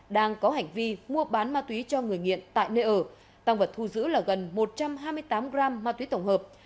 đang có hành vi mua bán ma túy cho người nghiện tại nơi ở tăng vật thu giữ là gần một trăm hai mươi tám gram ma túy tổng hợp